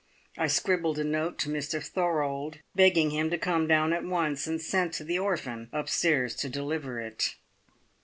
I scribbled a note to Mr Thorold, begging him to come down at once, and sent the orphan upstairs to deliver it.